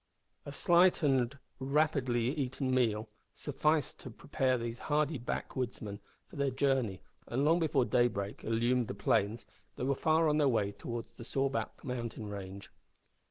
A slight and rapidly eaten meal sufficed to prepare these hardy backwoodsmen for their journey, and, long before daybreak illumined the plains, they were far on their way towards the Sawback mountain range.